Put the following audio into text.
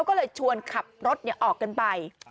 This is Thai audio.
มีคนขับรถออกไป